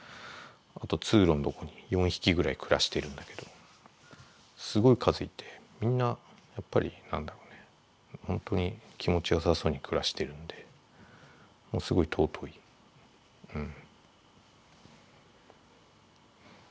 あと通路のとこに４匹ぐらい暮らしてるんだけどすごい数いてみんなやっぱり何だろうねほんとに気持ちよさそうに暮らしてるんですごい尊いうん。